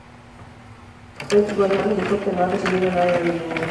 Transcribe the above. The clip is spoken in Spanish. Fred Goldman dijo que no ha recibido nada de dinero.